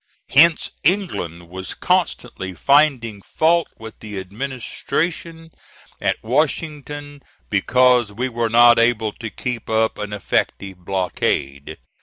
Hence, England was constantly finding fault with the administration at Washington because we were not able to keep up an effective blockade.